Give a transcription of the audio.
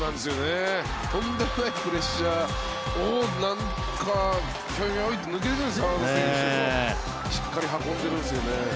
とんでもないプレッシャーをなんかひょいひょいって抜ける澤田選手としっかり運んでいるんですよね。